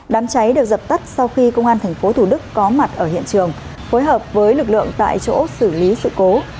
đám cháy được dập tắt sau khi công an tp thủ đức có mặt ở hiện trường phối hợp với lực lượng tại chỗ xử lý sự cố